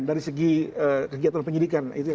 dari segi kegiatan penyidikan